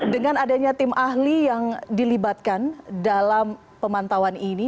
dengan adanya tim ahli yang dilibatkan dalam pemantauan ini